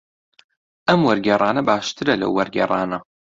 ئەم وەرگێڕانە باشترە لەو وەرگێڕانە.